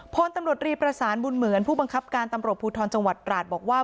พลตำรวจรีประสานบุญเหมือนผู้บังคับการตำรวจภูทรจังหวัดตราดบอกว่า